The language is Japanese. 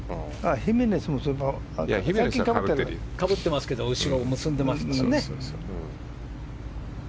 ヒメネスはかぶってますけど後ろを結んでいますからね。